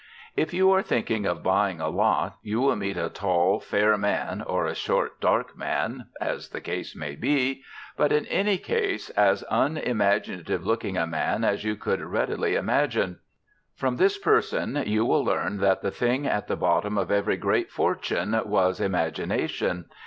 If you are thinking of buying a lot you will meet a tall, fair man, or a short, dark man (as the case may be), but in any case as unimaginative looking a man as you could readily imagine. From this person you will learn that the thing at the bottom of every great fortune was imagination.